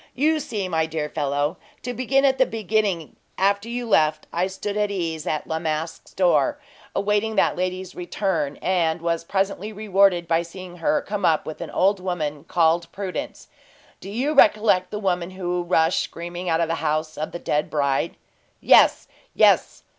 "You see, my dear fellow, to begin at the beginning, after you left, I stood at ease at La Masque's door, awaiting that lady's return, and was presently rewarded by seeing her come up with an old woman called Prudence. Do you recollect the woman who rushed screaming out of the home of the dead bride?" "Yes, yes!"